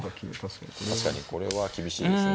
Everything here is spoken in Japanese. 確かにこれは厳しいですね。